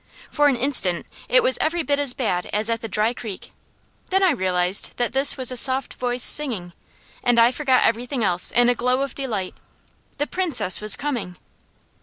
For an instant it was every bit as bad as at the dry creek. Then I realized that this was a soft voice singing, and I forgot everything else in a glow of delight. The Princess was coming!